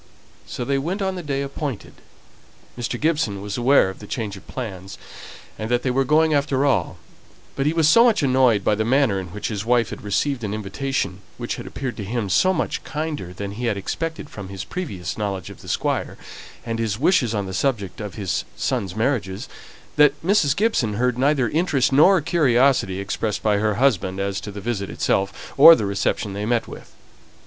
So they went on the day appointed. Mr. Gibson was aware of the change of plans, and that they were going after all; but he was so much annoyed by the manner in which his wife had received an invitation that appeared to him so much kinder than he had expected from his previous knowledge of the Squire, and his wishes on the subject of his sons' marriage, that Mrs. Gibson heard neither interest nor curiosity expressed by her husband as to the visit itself, or the reception they met with.